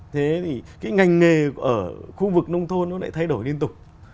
thế thì ngành nghề ở khu vực nông thôn lại thay đổi liên tục